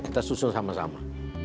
kita susun sama sama